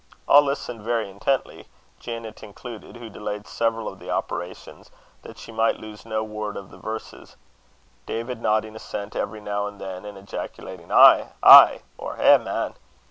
All listened very intently, Janet included, who delayed several of the operations, that she might lose no word of the verses; David nodding assent every now and then, and ejaculating ay! ay! or eh, man!